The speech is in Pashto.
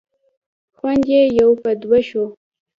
خوند یې یو په دوه شو.